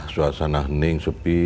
suasana hening sepi